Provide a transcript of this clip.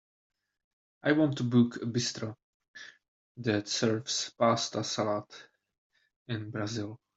I want to book a bistro that serves pasta salad in Brazil.